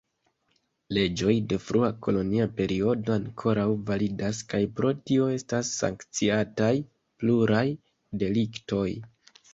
Leĝoj de frua kolonia periodo ankoraŭ validas kaj pro tio estas sankciataj pluraj deliktoj.